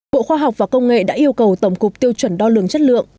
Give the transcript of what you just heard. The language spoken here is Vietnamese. bộ khoa học và công nghệ đã yêu cầu tổng cục tiêu chuẩn đo lường chất lượng